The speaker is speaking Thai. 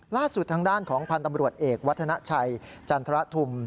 ล่าสุดทางด้านของพันธ์ตำรวจเอกวัฒนาชัยจันทรทุม